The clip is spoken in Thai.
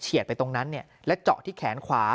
เชียดไปตรงนั้นเนี่ยแล้วเจาะที่แขนขวา